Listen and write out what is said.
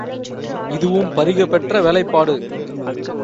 இதுவும் பரிக பெற்ற வேலைப்பாடு.